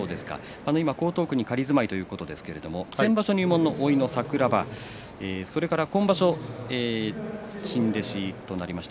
今、江東区に仮住まいということですが、先場所入門のおいの櫻庭それから今場所新弟子となりました。